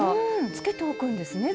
つけておくんですね